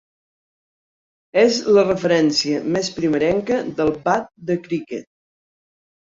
És la referència més primerenca del bat de criquet.